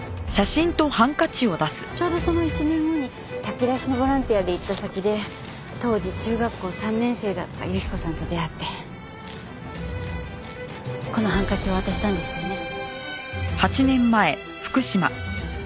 ちょうどその１年後に炊き出しのボランティアで行った先で当時中学校３年生だった雪子さんと出会ってこのハンカチを渡したんですよね。